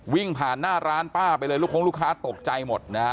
วิ่งผ่านหน้าร้านป้าไปเลยลูกคงลูกค้าตกใจหมดนะฮะ